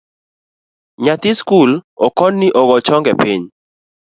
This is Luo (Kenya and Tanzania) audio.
Nyathi skul okon ni ogoo chonge piny